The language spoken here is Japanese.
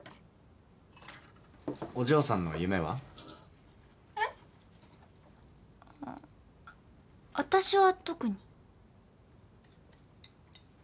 お嬢さんの夢は？えっ？あたしは特に。